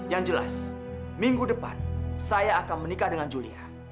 yang jelas minggu depan saya akan menikah dengan julia